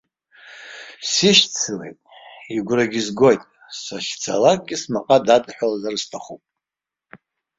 Сишьцылеит, игәрагьы згоит, сахьцалакгьы смаҟа дадҳәалазар сҭахуп!